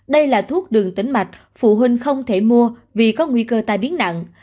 đây là thuốc đường tĩnh mạch phụ huynh không thể mua vì có nguy cơ tai biến nặng